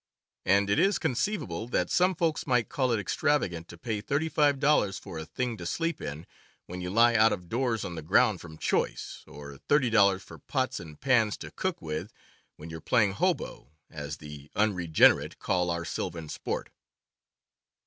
And it is conceivable that some folks might call it extravagant to pay thirty five dollars for a thing to sleep in when you lie out of doors on the ground from choice, or thirty dollars for pots and pans to cook with when you are "playing hobo," as the unregenerate call our sylvan sport.